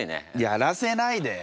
やらせないで。